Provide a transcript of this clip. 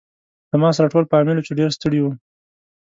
زما سره ټول فامیل و چې ډېر ستړي و.